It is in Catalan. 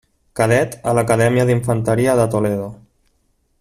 Cadet a l'Acadèmia d'Infanteria de Toledo.